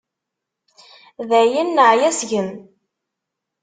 Dayen neɛya seg-m.